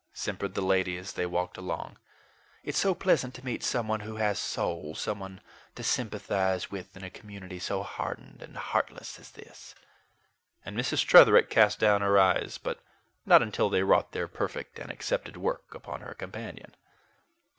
simpered the lady as they walked along. "It's so pleasant to meet someone who has soul someone to sympathize with in a community so hardened and heartless as this." And Mrs. Tretherick cast down her eyes, but not until they wrought their perfect and accepted work upon her companion.